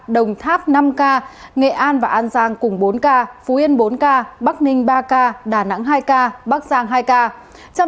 đồng tháp năm ca nghệ an và an giang cùng bốn ca phú yên bốn ca bắc ninh ba ca đà nẵng hai ca bắc giang hai ca